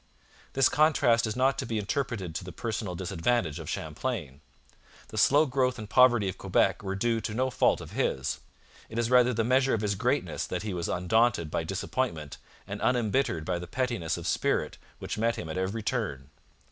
This contrast is not to be interpreted to the personal disadvantage of Champlain. The slow growth and poverty of Quebec were due to no fault of his. It is rather the measure of his greatness that he was undaunted by disappointment and unembittered by the pettiness of spirit which met him at every turn.